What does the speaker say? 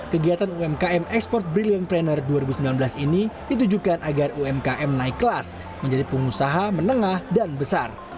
kegiatan umkm export brilliant pranner dua ribu sembilan belas ini ditujukan agar umkm naik kelas menjadi pengusaha menengah dan besar